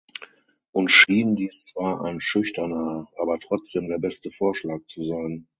Uns schien dies zwar ein schüchterner, aber trotzdem der beste Vorschlag zu sein.